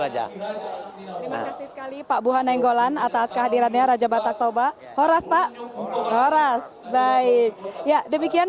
aja pak buhan nainggolan atas kehadirannya raja batak tauba horas pak horas baik ya demikian